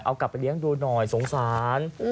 เอากลับไปเลี้ยงดูหน่อยสงสาร